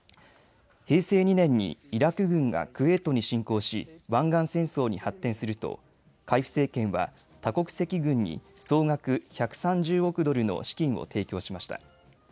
平成２年にイラク軍がクウェートに侵攻し、湾岸戦争に発展すると海部政権は多国籍軍に総額１３０億ドルの資金を提供しました。